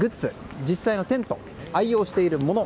実際のテント、愛用しているもの